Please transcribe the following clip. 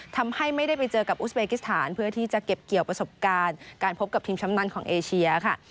ทำให้ไม่ได้ไปเจอกับอุสเบกิสถานเพื่อที่จะเก็บเกี่ยวประสบการณ์การพบกับทีมช้ำนั้นของเอเชียค่ะ